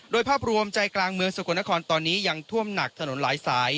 โดยภาพรวมใจกลางเมืองสกลนครตอนนี้ยังท่วมหนักถนนหลายสาย